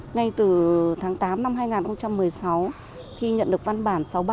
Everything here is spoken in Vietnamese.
ngay từ tháng tám năm hai nghìn một mươi sáu khi nhận được văn bản sáu trăm bốn mươi bảy